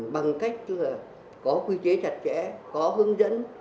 bằng cách có quy chế chặt chẽ có hướng dẫn